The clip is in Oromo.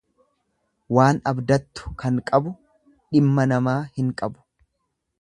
Waan abdattu kan qabu dhimma namaa hin qabu.